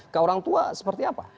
ke orang tua seperti apa